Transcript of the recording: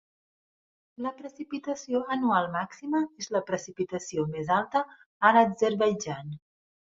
La precipitació anual màxima és la precipitació més alta a l'Azerbaidjan.